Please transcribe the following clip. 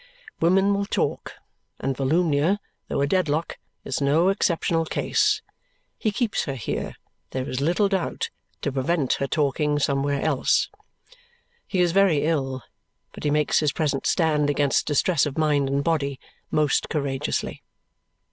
Women will talk, and Volumnia, though a Dedlock, is no exceptional case. He keeps her here, there is little doubt, to prevent her talking somewhere else. He is very ill, but he makes his present stand against distress of mind and body most courageously.